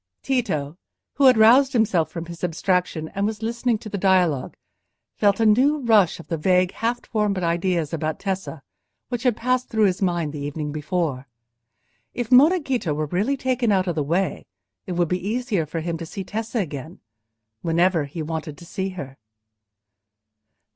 Tito, who had roused himself from his abstraction, and was listening to the dialogue, felt a new rush of the vague half formed ideas about Tessa, which had passed through his mind the evening before: if Monna Ghita were really taken out of the way, it would be easier for him to see Tessa again—whenever he wanted to see her.